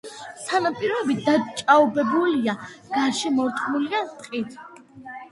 სანაპიროები დაჭაობებულია, გარშემორტყმულია ტყით.